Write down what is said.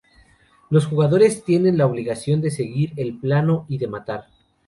Los jugadores tienen la obligación de seguir el palo y de matar.